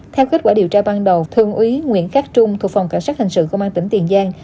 theo kết quả điều tra ban đầu thượng úy nguyễn cát trung thuộc phòng cảnh sát hình sự công an tỉnh tiền giang